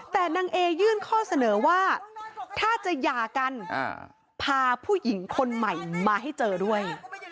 แต่นางเอยื่นข้อเสนอว่าถ้าจะหย่ากันพาผู้หญิงคนใหม่มาให้เจอด้วย